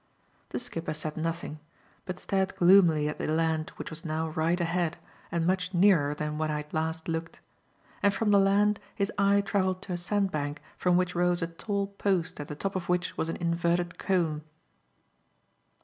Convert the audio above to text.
The skipper said nothing, but stared gloomily at the land which was now right ahead and much nearer than when I had last looked; and from the land his eye travelled to a sand bank from which rose a tall post at the top of which was an inverted cone.